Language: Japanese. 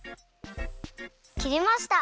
きれました。